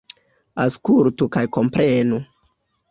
Aŭskultu kaj komprenu!